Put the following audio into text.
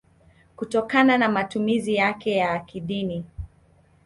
kutokana na matumizi yake ya kidini.